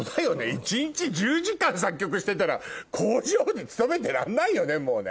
１日１０時間作曲してたら工場に勤めてらんないよねもうね。